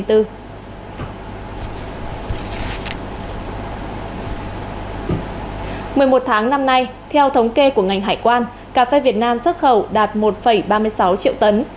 một mươi một tháng năm nay theo thống kê của ngành hải quan cà phê việt nam xuất khẩu đạt một ba mươi sáu triệu tấn